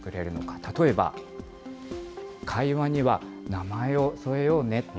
例えば、会話には名前を添えようね。